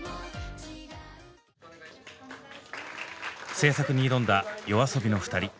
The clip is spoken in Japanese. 制作に挑んだＹＯＡＳＯＢＩの２人。